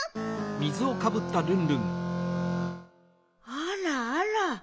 あらあら。